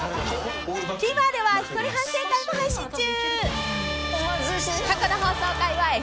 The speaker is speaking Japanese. ［ＴＶｅｒでは一人反省会も配信中］